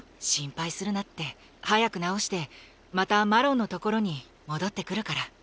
心配するなって早く治してまたマロンのところに戻ってくるから。